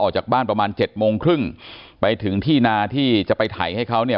ออกจากบ้านประมาณเจ็ดโมงครึ่งไปถึงที่นาที่จะไปไถให้เขาเนี่ย